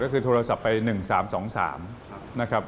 ก็คือโทรศัพท์ไป๑๓๒๓นะครับ